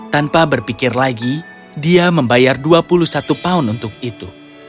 tanpa berpikir lagi dia membayar dua puluh satu pound untuk itu